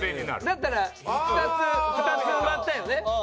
だったら２つ２つ埋まったよね。